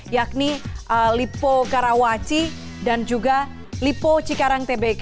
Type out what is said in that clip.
yakni lipo karawaci dan juga lipo cikadeng